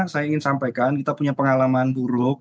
saya ingin sampaikan kita punya pengalaman buruk